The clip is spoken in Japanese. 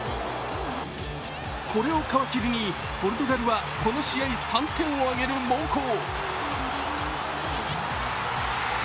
これを皮切りに、ポルトガルはこの試合、３点を挙げる猛攻。